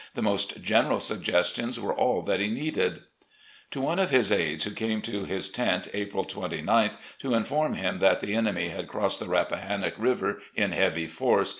The most general suggestions were all that he needed.' " To one of his aides, who came to his tent, April 29th, to inform him that the enemy had crossed the Rappa hannock River in heavy force.